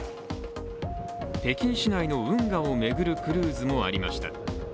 北京市内の運河を巡るクルーズもありました。